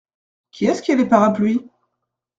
Qui est-ce qui a les parapluies ?…